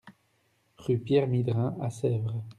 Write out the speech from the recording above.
Rue Pierre Midrin à Sèvres